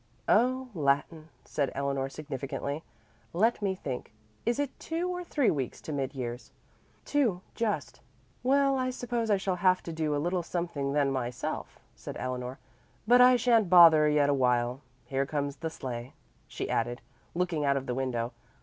"Oh, Latin," said Eleanor significantly. "Let me think. Is it two or three weeks to mid years?" "Two, just." "Well, I suppose I shall have to do a little something then myself," said Eleanor, "but I shan't bother yet awhile. Here comes the sleigh," she added, looking out of the window.